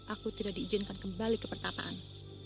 aku tidak diizinkan kembali ke pertapaan